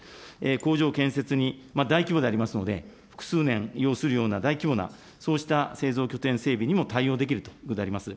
工場建設に大規模でありますので、複数年ようするような大規模な、そうした製造拠点整備にも対応できるということであります。